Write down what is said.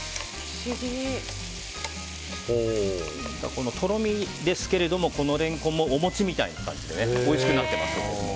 このとろみですけどもこのレンコンもお餅みたいな感じでおいしくなってますので。